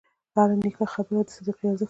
هره نیکه خبره د صدقې ارزښت لري.